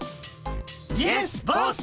イエスボス！